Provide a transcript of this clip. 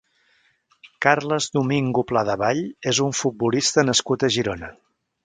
Carles Domingo Pladevall és un futbolista nascut a Girona.